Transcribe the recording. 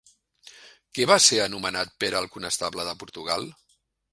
Què va ser anomenat Pere el Conestable de Portugal?